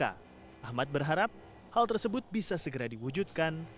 ahmad berharap hal tersebut bisa segera diwujudkan